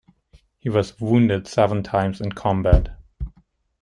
He was wounded seven times in combat.